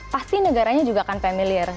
pasti negaranya juga akan familiar